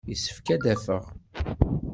Yessefk ad d-afeɣ.